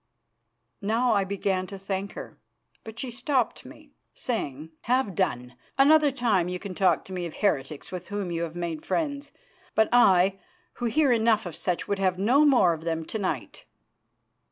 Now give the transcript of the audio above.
Now I began to thank her, but she stopped me, saying: "Have done! Another time you can talk to me of heretics with whom you have made friends, but I, who hear enough of such, would have no more of them to night."